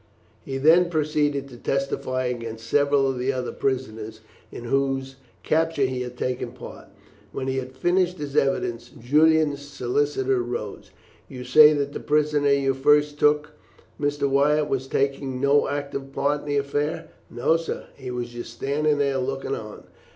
He then proceeded to testify against several of the other prisoners in whose capture he had taken part. When he had finished his evidence, Julian's solicitor rose. "You say that the prisoner you first took, Mr. Wyatt, was taking no active part in the affair?" "No, sir, he was just standing there looking on."